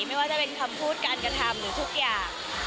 ไม่ว่าจะเป็นคำพูดการกระทำหรือทุกอย่าง